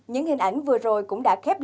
những hình ảnh vừa rồi cũng đã khép bản